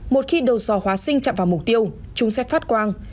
một khi đầu do hóa sinh chạm vào mục tiêu chúng sẽ phát quang